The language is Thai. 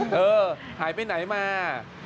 เออหายไปไหนมา